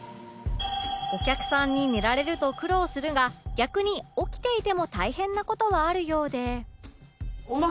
お客さんに寝られると苦労するが逆に起きていても大変な事はあるようで